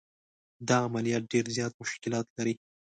دا عملیات ډېر زیات مشکلات لري.